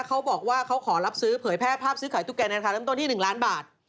เขาบอกว่าเขาขอรับซื้อเผยแพร่ภาพซื้อขายตุ๊กแนราคาเริ่มต้นที่๑ล้านบาท